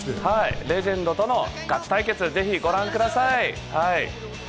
レジェンドとのガチ対決、ぜひご覧ください。